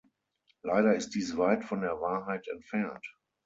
Leider ist dies weit von der Wahrheit entfernt.